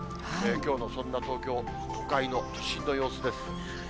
きょうのそんな東京、都会の、都心の様子です。